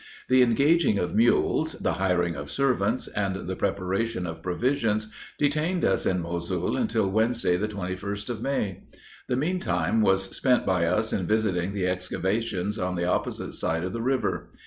"The engaging of mules, the hiring of servants, and the preparation of provisions, detained us in Mosul until Wednesday, the 21st of May. The meantime was spent by us in visiting the excavations on the opposite side of the river.